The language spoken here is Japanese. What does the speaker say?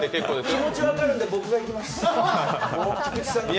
気持ちが分かるので、僕がいきます。